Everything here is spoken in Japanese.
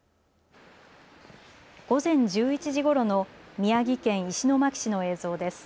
午前１１時ごろの宮城県石巻市の映像です。